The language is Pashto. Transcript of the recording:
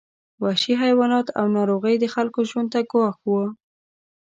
وحشي حیوانات او ناروغۍ د خلکو ژوند ته ګواښ وو.